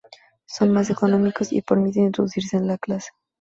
Son más económicos y permiten introducirse en la clase.